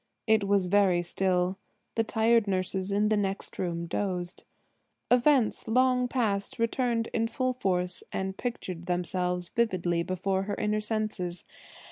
It was very still; the tired nurses in the next room, dozed. Events long passed, returned in full force and pictured themselves vividly before her inner senses.